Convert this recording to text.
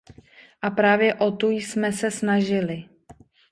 A právě o tu jsme se snažili.